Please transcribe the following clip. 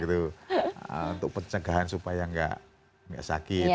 untuk pencegahan supaya nggak sakit